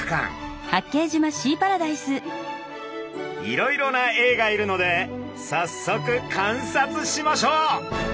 いろいろなエイがいるのでさっそく観察しましょう！